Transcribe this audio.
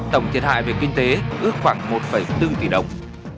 tổng thiệt hại về kinh tế ước khoảng một bốn tỷ đồng